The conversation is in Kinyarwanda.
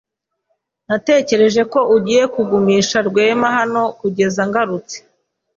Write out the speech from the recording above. Natekereje ko ugiye kugumisha Rwema hano kugeza ngarutse.